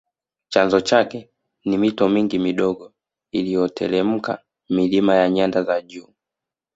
Chanzo chake ni mito mingi midogo inayoteremka milima ya nyanda za juu